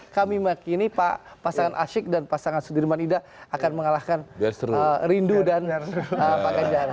kami meyakini pak pasangan asyik dan pasangan sudirman ida akan mengalahkan rindu dan pak ganjar